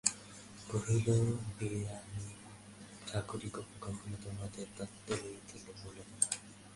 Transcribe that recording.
কহিল, বিহারী-ঠাকুরপো কখনো তোমাদের তত্ত্ব লইতে ভোলেন না।